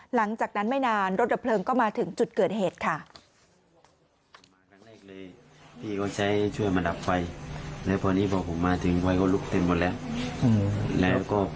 หลังจากนั้นไม่นานรถดับเพลิงก็มาถึงจุดเกิดเหตุค่ะ